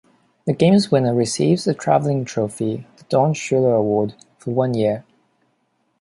The game's winner receives a traveling trophy, the "Don Shula Award," for one year.